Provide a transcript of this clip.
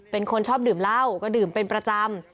เป็นคนชอบดื่มเหล้าก็ดื่มเป็นประจำ